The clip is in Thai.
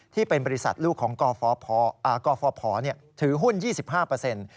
ที่เป็นบริษัทลูกของกฟพถือหุ้น๒๕